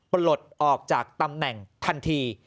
ปลดออกจากตำแหน่งทันที